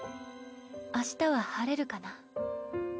明日は晴れるかな？